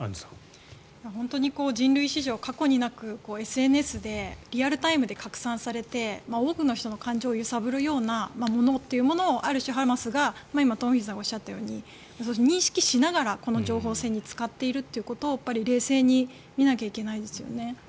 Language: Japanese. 本当に人類史上過去になくＳＮＳで拡散されて多くの人の感情を揺さぶるようなものをある種、ハマスが東輝さんがおっしゃったように認識しながら、この情報戦に使っているということを冷静に見なきゃいけないですよね。